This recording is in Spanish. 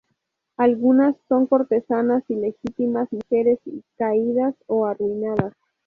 Algunas son cortesanas, ilegítimas, mujeres "caídas" o "arruinadas".